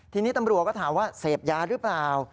ทีนี้ตำรวจก็ถามว่าเสพยาหรือเปล่า